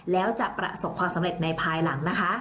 แล้วจะประสบความสำเร็จในภายหลังนะคะ